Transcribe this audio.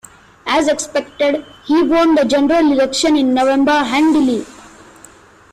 As expected, he won the general election in November handily.